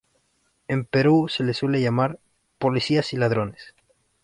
En Perú se le suele llamar "Policías y ladrones".